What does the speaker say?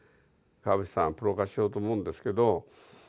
「川淵さんプロ化しようと思うんですけど」